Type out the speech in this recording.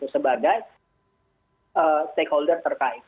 sebagai stakeholder terkait